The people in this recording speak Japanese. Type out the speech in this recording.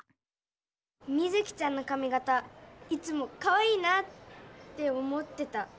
ミズキちゃんのかみ形いつもかわいいなって思ってた。